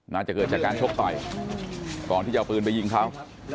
น่าจะเกิดจากการชกต่อยก่อนที่จะเอาปืนไปยิงเขา